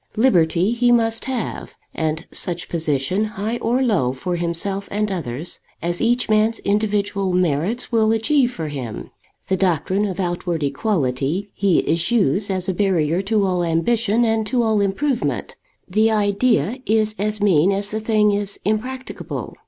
Liberty he must have, and such position, high or low, for himself and others, as each man's individual merits will achieve for him. The doctrine of outward equality he eschews as a barrier to all ambition, and to all improvement. The idea is as mean as the thing is impracticable.